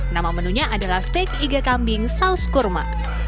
nama menunya adalah steak iga kambing saus kurma